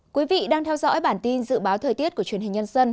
quý vị đang theo dõi bản tin dự báo thời tiết của truyền hình nhân dân